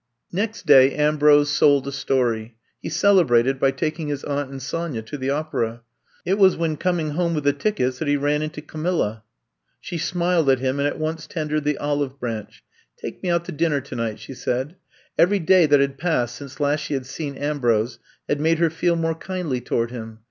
Next day Ambrose sold a story. He celebrated by taking his Aunt and Sonya to the opera. It was when coming home with the tickets that he ran into Camilla. She smiled at him and at once tendered the olive branch. Take me out to dinner tonight/' she said. Every day that had passed since last she had seen Ambrose had made her feel more kindly toward him.